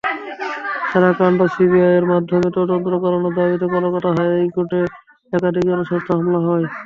সারদাকাণ্ড সিবিআইয়ের মাধ্যমে তদন্ত করানোর দাবিতে কলকাতা হাইকোর্টে একাধিক জনস্বার্থ মামলা হয়।